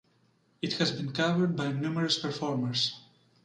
It has been covered by numerous performers.